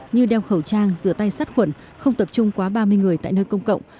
như đeo khẩu trang rửa tay sát khuẩn không tập trung quá ba mươi người tại nơi công cộng